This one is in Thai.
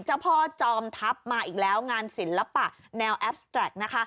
เจ้าพ่อจอมทัพมาอีกแล้วงานศิลปะแนวแอปสแตรกนะคะ